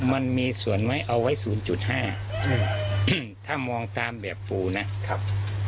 มันมีส่วนไว้เอาไว้ศูนย์จุดห้าถ้ามองตามแบบฝูนะครับ